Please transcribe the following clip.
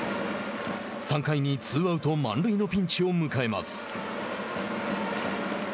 ３回にツーアウト、満塁のピンチを迎えます。